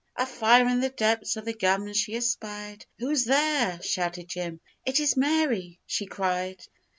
A fire in the depths of the gums she espied 'Who's there?' shouted Jim. 'It is Mary!' she cried.